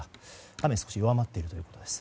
雨、少し弱まっているということです。